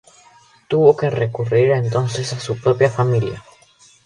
Tuvo que recurrir entonces a su propia familia.